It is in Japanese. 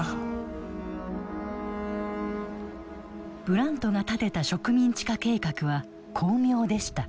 ブラントが立てた植民地化計画は巧妙でした。